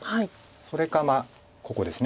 それかここです。